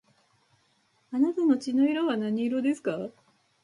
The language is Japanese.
あなたの血の色は何色ですか